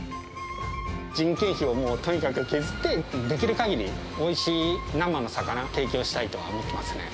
人件費をとにかく削って、できるかぎりおいしい生の魚、提供したいと思っていますね。